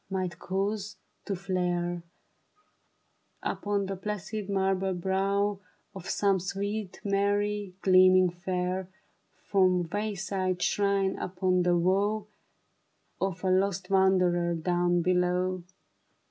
Might cause to flare Upon the placid, marble brow Of some sweet Mary, gleaming fair From wayside shrine upon the woe Of a lost wanderer down below.